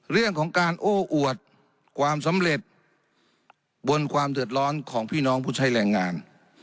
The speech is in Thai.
เรื่องของการโอ้อวดความสำเร็จบนความเดือดร้อนของพี่น้องผู้ใช้แรงงาน